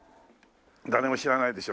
誰も知らないでしょ。